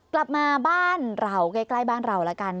กลับมาบ้านเหล่าใกล้บ้านเหล่าละกัน